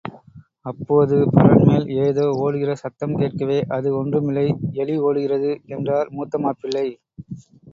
அப்போது பரண்மேல் ஏதோ ஒடுகிற சத்தம் கேட்கவே அது ஒன்றுமில்லை எலி ஒடுகிறது என்றார் மூத்த மாப்பிள்ளை.